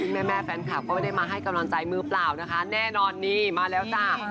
แม่แฟนคลับก็ไม่ได้มาให้กำลังใจมือเปล่านะคะแน่นอนนี่มาแล้วจ้า